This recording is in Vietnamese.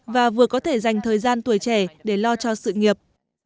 và vừa có thể dành thời gian tuổi trẻ để lo cho sự nghiệp